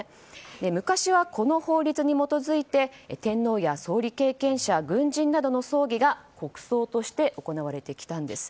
昔は、この法律に基づいて天皇や総理経験者軍人などの葬儀が国葬として行われてきたんです。